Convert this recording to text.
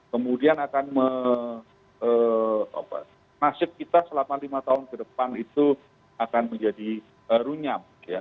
kemudian akan nasib kita selama lima tahun ke depan itu akan menjadi runyam